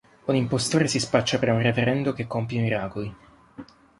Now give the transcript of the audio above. Un impostore si spaccia per un reverendo che compie miracoli.